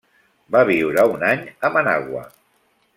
Va viure un any a Managua.